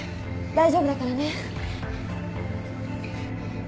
大丈夫だからね。